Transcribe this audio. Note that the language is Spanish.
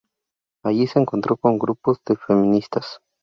Allí, se encontró con grupos de feministas.